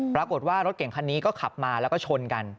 ปรากฏว่ารถเก่งคันนี้ก็ขับมาแล้วก็ชนกัน